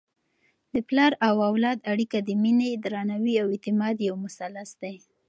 د پلار او اولاد اړیکه د مینې، درناوي او اعتماد یو مثلث دی.